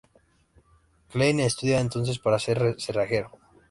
Klein estudia entonces para ser cerrajero.